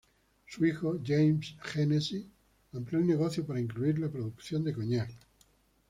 Su hijo, James Hennessy, amplió el negocio para incluir la producción de coñac.